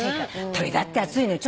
「鳥だって暑いのよ」？